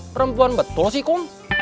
perempuan betul sih kum